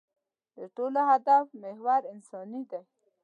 د ټولو د هدف محور انساني دی.